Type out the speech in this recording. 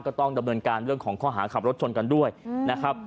ก็ต้องดำเนินการเรื่องของข้อหาขับรถชนกันด้วยนะครับ